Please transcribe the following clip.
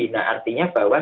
nah artinya bahwa